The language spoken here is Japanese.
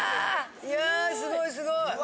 いやすごいすごい！